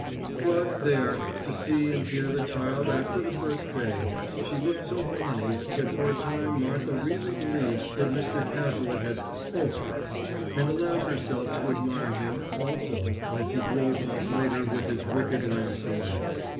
But, there, to see and hear the child after the first day! She looked so bonny that for a time Martha really believed that Mr. Cazalet had "spoken," and allowed herself to admire him also as he drove off later with his wicked lamps alight.